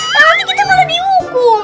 nanti kita malah dihukum